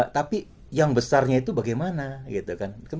tapi yang besarnya itu bagaimana gitu kan